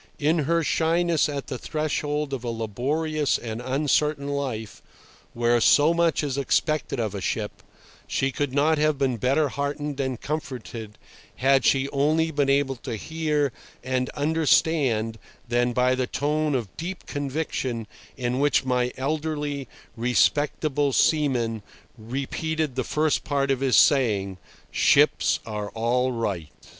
In her shyness at the threshold of a laborious and uncertain life, where so much is expected of a ship, she could not have been better heartened and comforted, had she only been able to hear and understand, than by the tone of deep conviction in which my elderly, respectable seaman repeated the first part of his saying, "Ships are all right